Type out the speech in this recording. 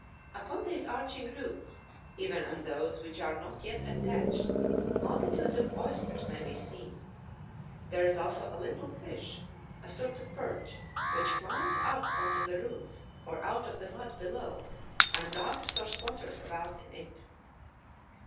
Upon these arching roots, even on those which are not yet attached, multitudes of oysters may be seen. There is also a little fish (a sort of perch) which climbs up on to the roots or out of the mud below, and gasps or squatters about in it.